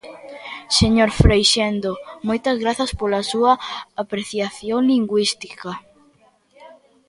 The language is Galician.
Señor Freixendo, moitas grazas pola súa apreciación lingüística.